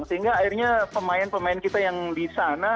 sehingga akhirnya pemain pemain kita yang di sana